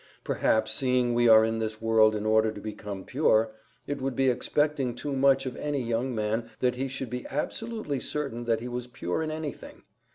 Perhaps seeing we are in this world in order to become pure, it would be expecting too much of any young man that he should be absolutely certain that he was pure in anything.